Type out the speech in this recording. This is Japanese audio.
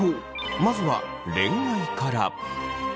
まずは恋愛から。